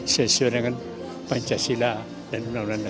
sesuai dengan pancasila dan sembilan sembilan seribu sembilan ratus empat puluh lima